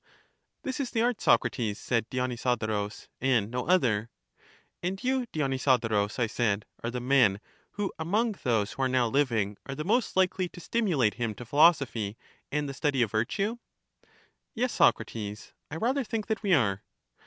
This is the art, Socrates, said Dionysodorus, and no other. And you, Dionysodorus, I said, are the men who 226 EUTHYDEMUS among those who are now living are the most likely to stimulate him to philosophy and the study of vir tue? Yes, Socrates, I rather think that we are.